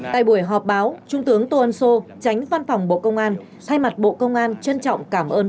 tại buổi họp báo trung tướng tô ân sô tránh văn phòng bộ công an thay mặt bộ công an trân trọng cảm ơn